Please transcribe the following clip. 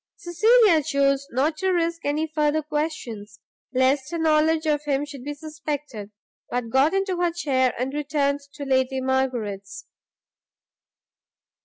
Cecilia chose not to risk any further questions, lest her knowledge of him should be suspected, but got into her chair, and returned to Lady Margaret's.